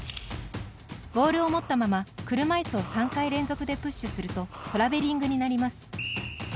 ボールを持ったまま、車いすを３回連続でプッシュするとトラベリングになります。